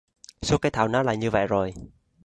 số cái thảo nó là như vậy rồi